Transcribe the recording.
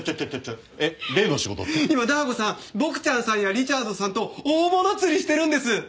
今ダー子さんボクちゃんさんやリチャードさんと大物釣りしてるんです。